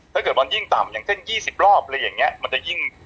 ถ้าเกิดมันยิ่งต่ำอย่างเช่น๒๐รอบมันจะเชื้อมันจะยิ่งเยอะ